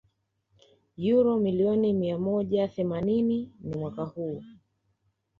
uro milioni mia moja themani ni Mwaka huu